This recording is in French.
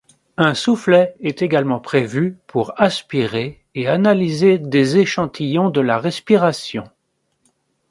Un soufflet est également prévu pour aspirer et analyser des échantillons de la respiration.